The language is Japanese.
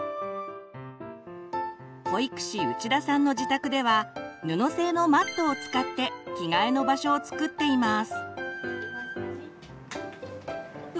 保育士内田さんの自宅では布製のマットを使って「着替えの場所」を作っています。